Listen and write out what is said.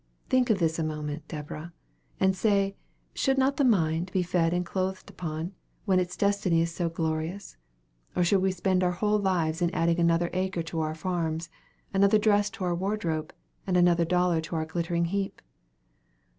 Think of this a moment, Deborah; and say, should not the mind be fed and clothed upon, when its destiny is so glorious? Or should we spend our whole lives in adding another acre to our farms, another dress to our wardrobe, and another dollar to our glittering heap?"